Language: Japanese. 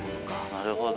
なるほど。